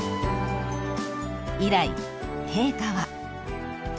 ［以来陛下は］